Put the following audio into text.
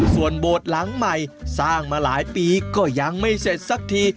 ส่วนโบสถ์หลังใหม่สร้างมาหลายปีก็ยังไม่เสร็จสักที